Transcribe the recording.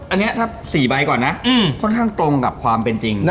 อันนี้ถ้า๔ใบก่อนนะค่อนข้างตรงกับความเป็นจริง